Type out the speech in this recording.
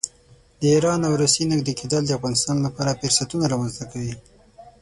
د ایران او روسیې نږدې کېدل د افغانستان لپاره فرصتونه رامنځته کوي.